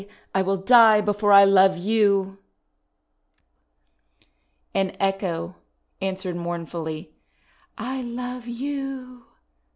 I will die before I love you !' And Echo answered mournfully, "I love you!"